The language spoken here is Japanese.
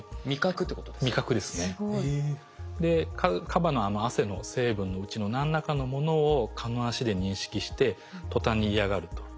カバのあの汗の成分のうちの何らかのものを蚊の脚で認識してとたんに嫌がると。